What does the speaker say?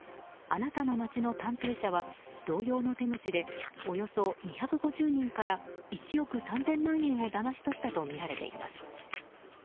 あなたの街の探偵社は同様の手口でおよそ２５０人から１億３０００万円をだまし取ったとみられています。